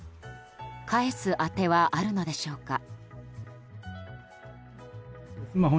返す当てはあるのでしょうか？